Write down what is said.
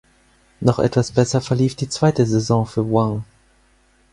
Noch etwas besser verlief die zweite Saison für Wang.